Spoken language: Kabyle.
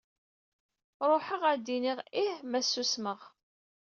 Ṛuḥeɣ ad d-iniɣ ih ma susmeɣ.